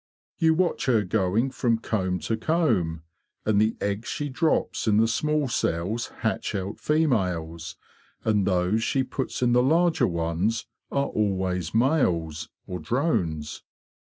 You watch her going from comb to comb, and the eggs she drops in the small cells hatch out females, and those she puts in the larger ones are always males, or drones.